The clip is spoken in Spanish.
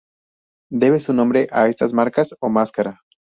Debe su nombre a estas marcas o "máscara".